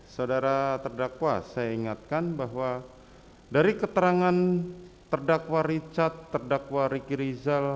saudara terdakwa saya ingatkan bahwa dari keterangan terdakwa richard terdakwa riki rizal